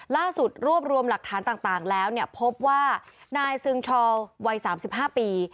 ล่าสุดรวบรวมหลักฐานต่างแล้วพบว่านายซึงชอว์วัย๓๕ปี